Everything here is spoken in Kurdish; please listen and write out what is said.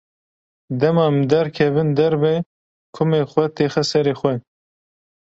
Dema em derkevin derve kumê xwe têxe serê xwe.